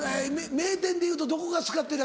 名店でいうとどこが使ってらっしゃるの？